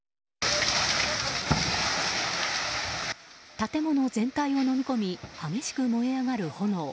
建物全体をのみ込み激しく燃え上がる炎。